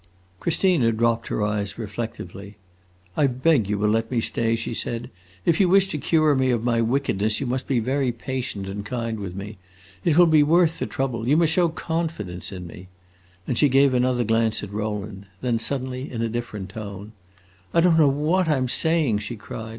Christina dropped her eyes, reflectively. "I beg you will let me stay," she said. "If you wish to cure me of my wickedness you must be very patient and kind with me. It will be worth the trouble. You must show confidence in me." And she gave another glance at Rowland. Then suddenly, in a different tone, "I don't know what I 'm saying!" she cried.